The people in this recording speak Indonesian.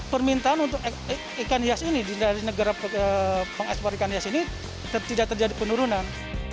permintaan untuk ikan hias ini dari negara pengekspor ikan hias ini tidak terjadi penurunan